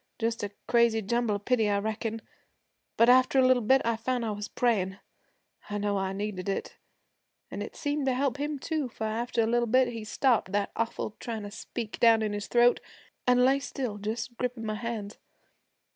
Just a crazy jumble of pity, I reckon; but after a little bit I found I was prayin'. I know I needed it, an' it seemed to help him too, for after a little bit, he stopped that awful tryin' to speak down in his throat, an' lay still just grippin' my hands.